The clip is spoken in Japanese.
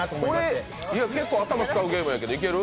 これ、結構頭使うゲームやけど、いける？